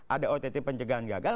ada ott pencegahan gagal